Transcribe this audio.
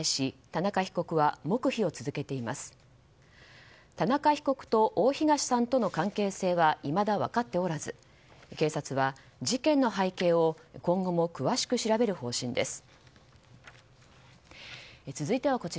田中被告と大東さんとの関係性はいまだ分かっておらず警察は事件の背景を今後も詳しく調べる方針です。